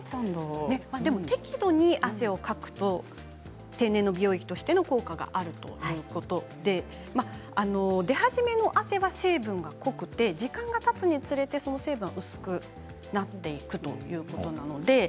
適度に汗をかくと天然の美容液としての効果があるということなんですが出始めの汗は成分が濃くて時間がたつにつれて成分が薄くなっていくということなんです。